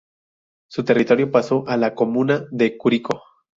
Su territorio pasó a la comuna de Curicó.